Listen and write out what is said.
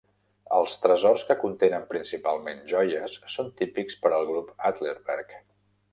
Els tresors que contenen principalment joies són típics per al grup Adlerberg.